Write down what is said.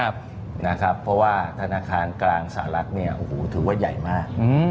เพราะว่าธนาคารกลางสหรัฐถือว่าใหญ่มาก